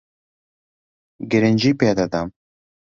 گرنگی پێ دەدەم.